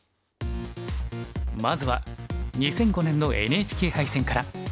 まずは２００５年のＮＨＫ杯戦から。